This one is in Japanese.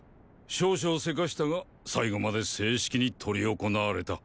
少々せかしたが最後まで正式に執り行われた。